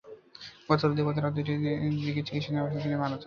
গতকাল দিবাগত রাত দুইটার দিকে চিকিৎসাধীন অবস্থায় হারুন মীর মারা যায়।